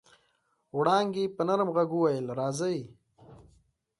وړانګې په نرم غږ وويل راځئ.